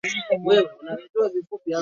mlo wa bang up tatu Wote sasa wana programu